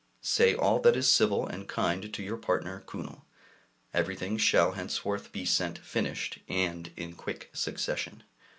Say all that is civil and kind to your partner, Kühnel. Everything shall henceforth be sent finished, and in quick succession.